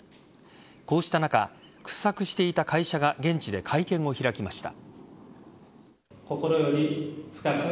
こうした中、掘削していた会社が現地で会見を開きました。